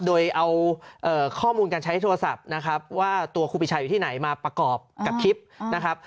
โดยเอาข้อมูลการใช้โทรศัพท์นะครับว่าตัวครูปีชาอยู่ที่ไหนมาประกอบกับคลิปนะครับ